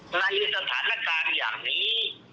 มันมีสถานการณ์อย่างนี้